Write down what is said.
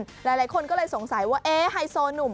หลายคนก็เลยสงสัยว่าเอ๊ะไฮโซหนุ่ม